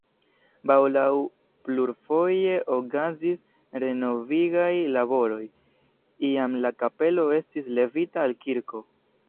Baldaŭ plurfoje okazis renovigaj laboroj, iam la kapelo estis levita al kirko.